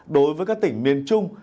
đối với các tỉnh miền trung